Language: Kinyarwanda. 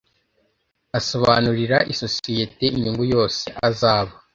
asobanurira isosiyete inyungu yose azaba